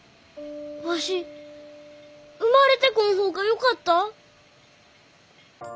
わし生まれてこん方がよかった？